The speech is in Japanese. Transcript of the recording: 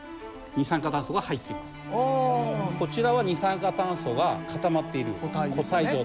こちらは二酸化炭素が固まっている固体状態。